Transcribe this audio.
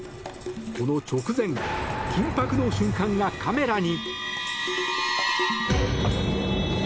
この直前緊迫の瞬間がカメラに。